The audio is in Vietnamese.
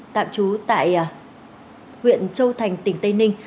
tạm trú tại huyện châu thành tỉnh tây ninh